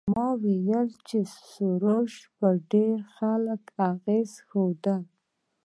ما وویل چې سروش پر ډېرو خلکو اغېز ښندلی.